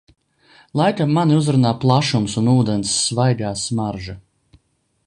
Laikam mani uzrunā plašums un ūdens svaigā smarža.